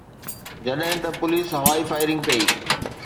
جڏهن ته پوليس هوائي فائرنگ ڪئي.